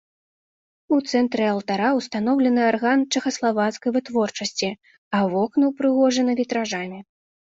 У цэнтры алтара ўстаноўлены арган чэхаславацкай вытворчасці, а вокны ўпрыгожаны вітражамі.